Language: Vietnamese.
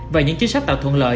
và những chính sách tạo thuận lợi